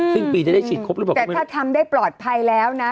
สิ้นปีจะได้ฉีดครบหรือเปล่าแต่ถ้าทำได้ปลอดภัยแล้วนะ